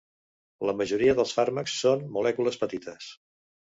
La majoria dels fàrmacs són molècules petites.